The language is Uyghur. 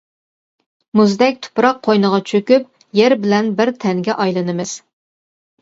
مۇزدەك تۇپراق قوينىغا چۆكۈپ يەر بىلەن بىر تەنگە ئايلىنىمىز.